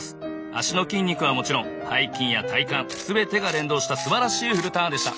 足の筋肉はもちろん背筋や体幹全てが連動したすばらしいフルターンでした。